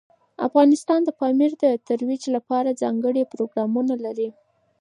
افغانستان د پامیر د ترویج لپاره ځانګړي پروګرامونه لري.